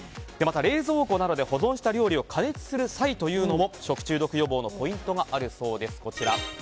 また、冷蔵庫などで保存した料理を加熱する際というのも食中毒予防のポイントがあるそうです。